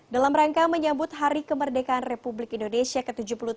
dalam rangka menyambut hari kemerdekaan republik indonesia ke tujuh puluh tiga